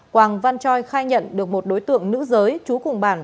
quảng văn choi khai nhận được một đối tượng nữ giới chú cùng bản